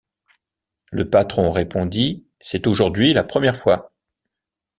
Le patron répondit: — C’est aujourd’hui la première fois.